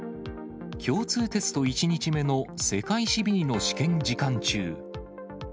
共通テスト１日目の世界史Ｂの試験時間中。